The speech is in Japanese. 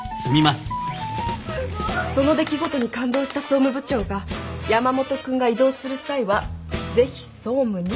すごいその出来事に感動した総務部長が山本君が異動する際はぜひ総務にって言ってるの。